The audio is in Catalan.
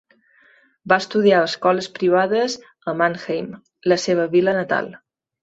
Va estudiar a escoles privades a Mannheim, la seva vila natal.